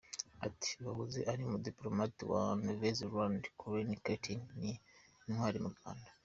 Ati “Uwahoze ari umudipolomate wa Nouvelle-Zélande Colin Keating ni intwari mu Rwanda.